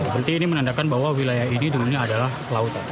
berarti ini menandakan bahwa wilayah ini dulunya adalah lautan